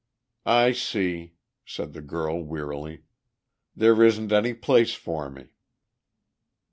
"I see," said the girl wearily. "There isn't any place for me."